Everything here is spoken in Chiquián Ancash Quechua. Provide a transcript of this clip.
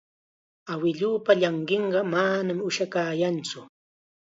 Awiluupa llanqinqa manam ushakantsu.